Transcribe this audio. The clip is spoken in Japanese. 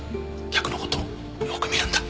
客の事をよく見るんだ。